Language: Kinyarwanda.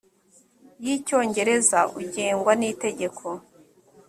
y icyongereza ugengwa n itegeko